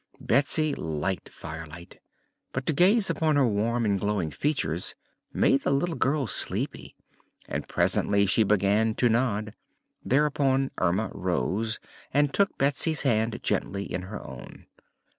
Betsy liked Firelight, but to gaze upon her warm and glowing features made the little girl sleepy, and presently she began to nod. Thereupon Erma rose and took Betsy's hand gently in her own.